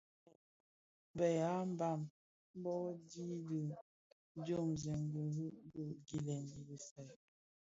Bë ya mbam bō dhi di diomzèn dirim bi gilèn i bisai.